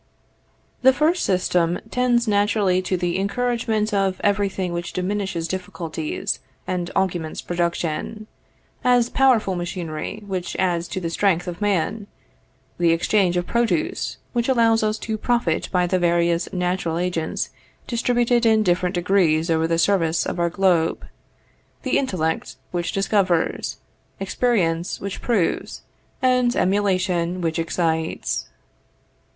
] The first system tends naturally to the encouragement of every thing which diminishes difficulties, and augments production, as powerful machinery, which adds to the strength of man; the exchange of produce, which allows us to profit by the various natural agents distributed in different degrees over the surface of our globe; the intellect which discovers, experience which proves, and emulation which excites.